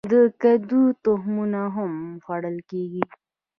د کدو تخمونه هم خوړل کیږي.